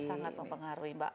sangat sangat mempengaruhi mbak